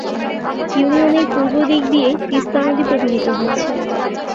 ইউনিয়নের পূর্ব দিক দিয়ে তিস্তা নদী প্রবাহিত হয়েছে।